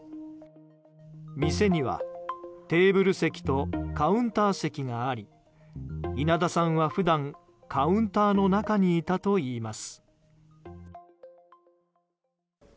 店にはテーブル席とカウンター席があり稲田さんは普段カウンターの中にいたといいます。